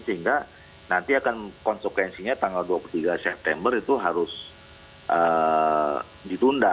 sehingga nanti akan konsekuensinya tanggal dua puluh tiga september itu harus ditunda